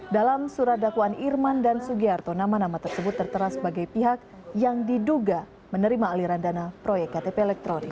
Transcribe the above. dalam surat dakwaan irman dan sugiharto nama nama tersebut tertera sebagai pihak yang diduga menerima aliran dana proyek ktp elektronik